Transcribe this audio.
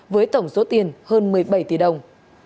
với tổng số tiền hơn một mươi bảy tỷ đồng